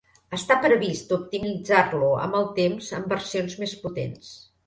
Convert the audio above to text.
Està previst optimitzar-lo amb el temps amb versions més potents.